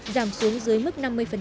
giảm xuống dưới mức năm mươi